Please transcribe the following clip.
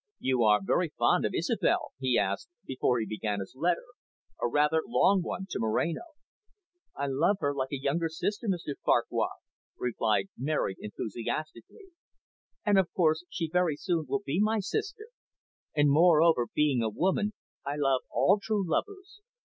"You are very fond of Isobel?" he asked, before he began his letter, a rather long one, to Moreno. "I love her like a younger sister, Mr Farquhar," replied Mary enthusiastically. "And, of course, she very soon will be my sister. And, moreover, being a woman, I love all true lovers.